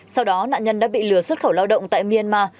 sau đó nạn nhân đã bị lừa xuất khẩu lao động tại myanmar